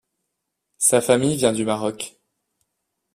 Sa famille vient du Maroc.